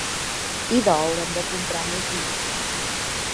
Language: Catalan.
Idò haurem de comprar més vi.